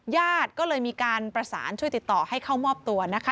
ญาติก็เลยมีการประสานช่วยติดต่อให้เข้ามอบตัวนะคะ